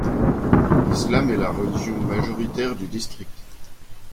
L'islam est la religion majoritaire du district.